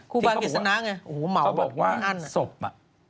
คู่บ้านเกียรติศนาไงโอ้โหเหมาะอ่ะเค้าบอกว่าศพอ่ะ